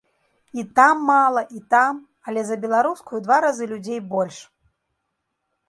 І там мала, і там, але за беларускую ў два разы людзей больш.